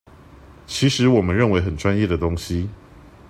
其實我們認為很專業的東西